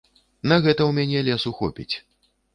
На гэта ў мяне лесу хопіць.